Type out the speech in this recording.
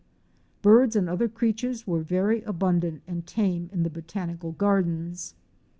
Birds and other creatures were very abundant and tame in the Botanical Gardens.